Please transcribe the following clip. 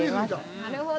なるほど。